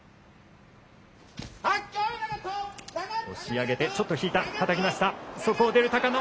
押し上げて、ちょっと引いた、はたきました。